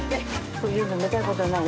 こういうの見たことない？